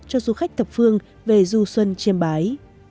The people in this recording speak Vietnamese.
cho du khách thập phương về du xuân chiêm bái